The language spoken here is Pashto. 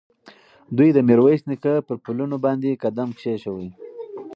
دوی د میرویس نیکه پر پلونو باندې قدم کېښود.